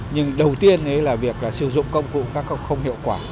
nhưng đầu tiên là việc sử dụng công cụ các cộng không hiệu quả